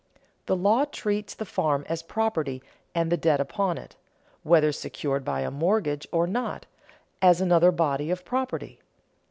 The law treats the farm as property and the debt upon it, whether secured by a mortgage or not, as another body of property.